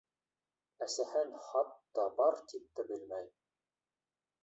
Әсәһен хатта бар тип тә белмәй!